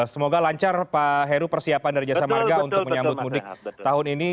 semoga lancar pak heru persiapan dari jasa marga untuk menyambut mudik tahun ini